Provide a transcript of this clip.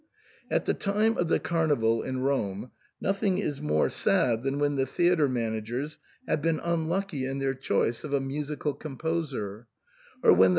At the time of the Carnival in Rome, nothing is more sad than when the theatre managers have been unlucky in their choice of a musical composer, or when the